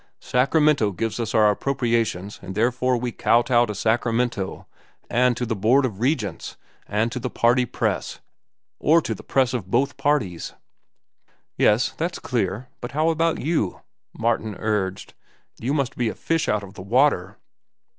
Sacramento gives us our appropriations and therefore we kowtow to Sacramento, and to the Board of Regents, and to the party press, or to the press of both parties." "Yes, that's clear; but how about you?" Martin urged. "You must be a fish out of the water."